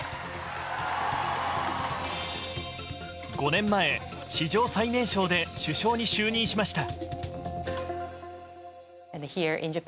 ５年前、史上最年少で首相に就任しました。